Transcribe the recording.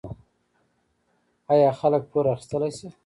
آیا خلک پور اخیستلی شي؟